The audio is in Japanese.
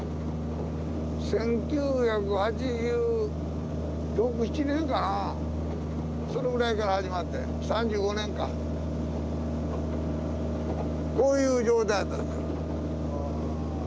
１９８６１９８７年かなそのぐらいから始まって３５年間こういう状態やった。